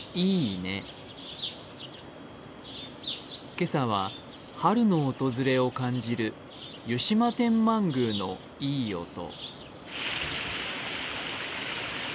今朝は春の訪れを感じる湯島天満宮のいい音。